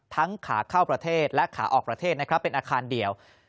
ขาเข้าประเทศและขาออกประเทศนะครับเป็นอาคารเดียว